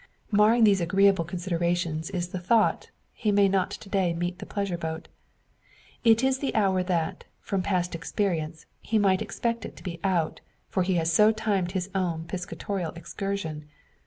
Marring these agreeable considerations is the thought, he may not to day meet the pleasure boat. It is the hour that, from past experience, he might expect it to be out for he has so timed his own piscatorial excursion.